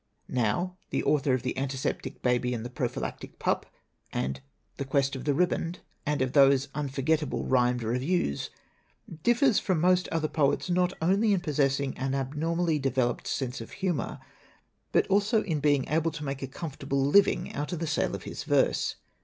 Now, the author of The Antiseptic Baby and the Prophylactic Pup and The Quest of the Riband, and of those unforgetable rhymed reviews, differs from most other poets not only in possessing an abnormally developed sense of humor, but also in being able to make a comfortable living out of the sale of his verse.